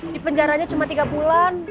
di penjaranya cuma tiga bulan